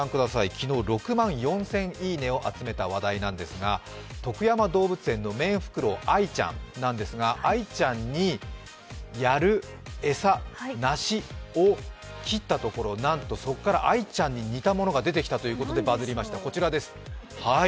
昨日、６万４０００いいねを集めた話題なんですが、徳山動物園のメンフクロウ・アイちゃんなんですが、アイちゃんにやる餌、梨を切ったところ、なんとそこからアイちゃんに似たものが出てきたということでバズりました。